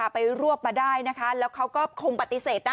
ไปรวบมาได้นะคะแล้วเขาก็คงปฏิเสธนะ